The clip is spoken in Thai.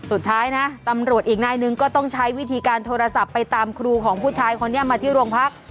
สุดท้ายนะตำรวจอีกนายหนึ่งก็ต้องใช้วิธีการโทรศัพท์ไปตามครูของผู้ชายคนนี้มาที่โรงพัก